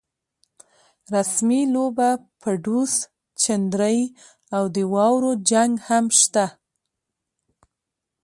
رسمۍ لوبه، پډوس، چندرۍ او د واورو جنګ هم شته.